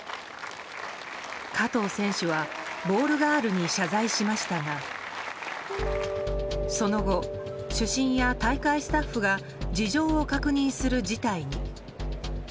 加藤選手はボールガールに謝罪しましたがその後、主審や大会スタッフが事情を確認する事態に。